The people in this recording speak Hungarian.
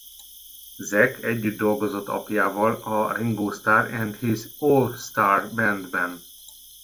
Zak együtt dolgozott apjával a Ringo Starr and His All-Starr Band-ben.